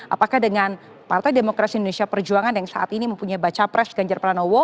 apakah dengan partai demokrasi indonesia perjuangan yang saat ini mempunyai baca pres ganjar pranowo